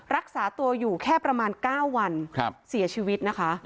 รักษาตัวอยู่แค่ประมาณ๙วันเสียชีวิตนะคะ